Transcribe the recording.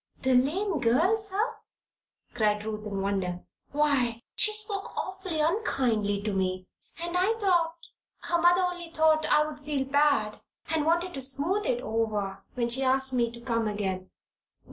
"The lame girl, sir?" cried Ruth, in wonder. "Why, she spoke awfully unkindly to me, and I thought her mother only thought I would feel bad and wanted to smooth it over, when she asked me to come again."